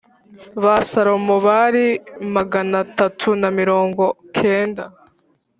Ba Salomo Bari Magana Atatu Na Mirongo Kenda